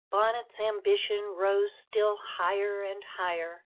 Bonnet's ambition rose still higher and higher.